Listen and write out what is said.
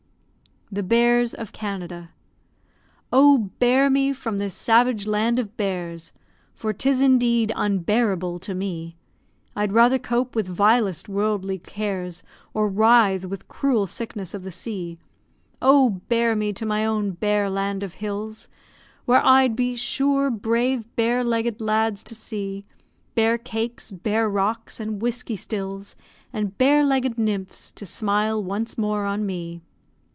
THE BEARS OF CANADA Oh! bear me from this savage land of bears, For 'tis indeed unbearable to me: I'd rather cope with vilest worldly cares, Or writhe with cruel sickness of the sea. Oh! bear me to my own bear land of hills, Where I'd be sure brave bear legg'd lads to see bear cakes, bear rocks, and whiskey stills, And bear legg'd nymphs, to smile once more on me.